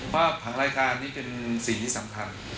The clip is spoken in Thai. ผังรายการนี้เป็นสิ่งที่สำคัญ